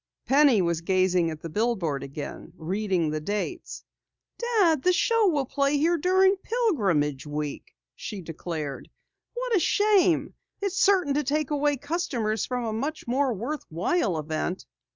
Penny was gazing at the billboard again, reading the dates. "Dad, the show will play here during Pilgrimage Week," she declared. "What a shame! It's certain to take away customers from a much more worthwhile event."